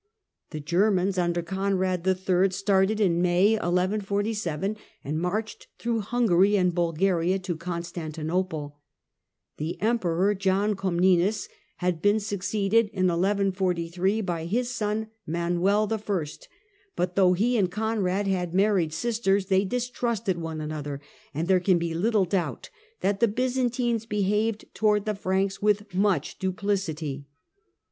The Germans under Conrad III. started in May 1147, and marched through Hungary and Bulgaria to Constantinople. The Emperor John Comnenus had been succeeded in 1143 by his son, Manuel I., but though he and Conrad had married sisters, they distrusted one another, and there can be little doubt that the Byzantines behaved towards the Franks with much duplicity.